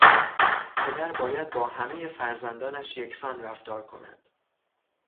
پدر باید با همهی فرزندانش یکسان رفتار کند.